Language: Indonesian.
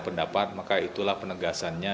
pendapat maka itulah penegasannya